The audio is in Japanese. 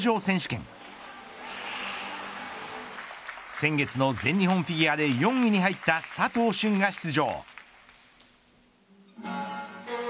先月の全日本フィギュアで４位に入った佐藤駿が出場。